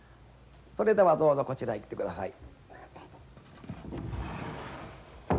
それではどうぞこちらへ来てください。